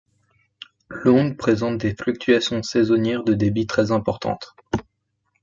L'Ondes présente des fluctuations saisonnières de débit très importantes.